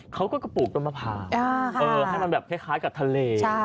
เขาก็กระปลูกต้นมะพร้าวให้มันแบบคล้ายกับทะเล